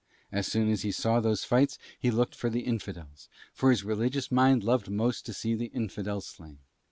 As soon as he saw those fights he looked for the Infidels, for his religious mind most loved to see the Infidel slain.